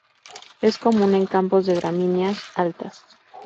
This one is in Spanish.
Es común en campos con gramíneas altas.